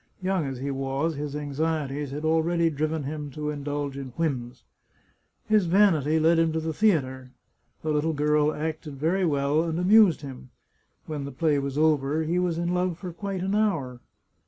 (Young as he was, his anxieties had already driven him to indulge in whims.) His vanity led him to the theatre; the little girl acted very well and amused him. When the play was over he was in love for quite an hour.